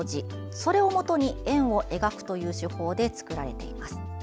それをもとに円を描くという手法で作られています。